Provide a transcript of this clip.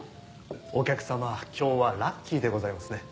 お客様今日はラッキーでございますね。